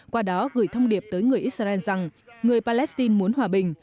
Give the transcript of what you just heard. qua đó gửi thông điệp tới người israel rằng người palestine muốn hòa bình